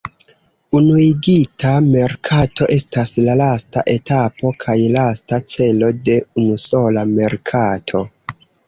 Unuigita merkato estas la lasta etapo kaj lasta celo de unusola merkato.